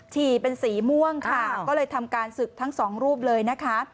ฉี่เป็นสีม่วงค่ะก็เลยทำการศึกทั้งสองรูปเลยนะคะ